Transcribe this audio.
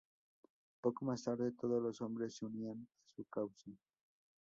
Poco más tarde, todos los hombres se unían a su causa.